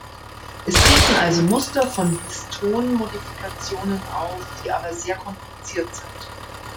Es treten also Muster von Histon-Modifikationen auf, die aber sehr kompliziert sind.